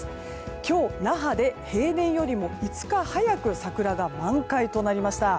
今日、那覇で平年よりも５日早くサクラが満開となりました。